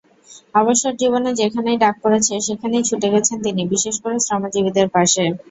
অবসরজীবনে যেখানেই ডাক পড়েছে, সেখানেই ছুটে গেছেন তিনি, বিশেষ করে শ্রমজীবীদের পাশে।